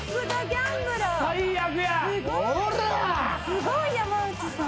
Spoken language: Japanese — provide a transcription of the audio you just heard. すごい山内さん。